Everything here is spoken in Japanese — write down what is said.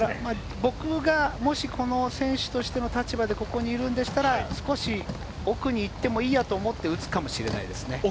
僕が選手としてこの立場にいるんだったら、少し奥に行ってもいいやと思って打つかもしれないです。